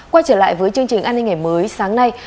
quay trở lại với chương trình an ninh ngày mới sáng nay